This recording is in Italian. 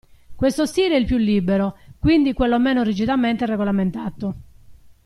Questo stile è il più libero, quindi quello meno rigidamente regolamentato.